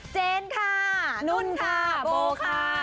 เจนค่ะนุ่นค่ะโบค่ะ